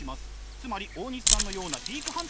つまり大西さんのようなピークハンター。